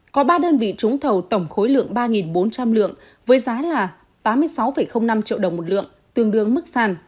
có ba đơn vị trúng thầu tổng khối lượng ba bốn trăm linh lượng với giá là tám mươi sáu năm triệu đồng một lượng tương đương mức sàn